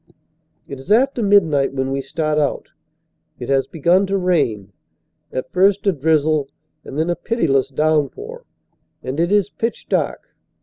It is after midnight when we start out. It has begun to rain, at first a drizzle and then a pitiless downpour, and it is pitch dark.